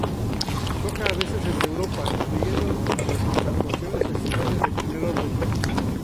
Toca a veces en Europa incluyendo entre sus actuaciones festivales de primer orden.